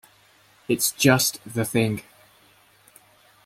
It's just the thing.